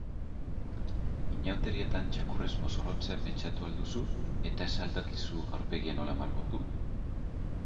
Inauterietan txakurrez mozorrotzea pentsatu al duzu eta ez al dakizuaurpegia nola margotu?